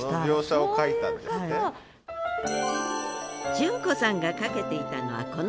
淳子さんがかけていたのはこの